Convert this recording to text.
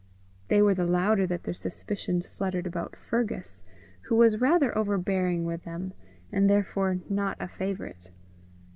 They were the louder that their suspicions fluttered about Fergus, who was rather overbearing with them, and therefore not a favourite.